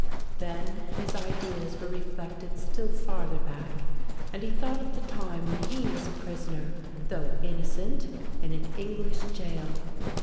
Then his ideas were reflected still farther back; and he thought of the time when he was a prisoner, though innocent, in an English gaol.